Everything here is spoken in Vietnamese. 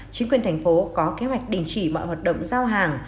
chính quyền thành phố có kế hoạch đình chỉ mọi hoạt động giao hàng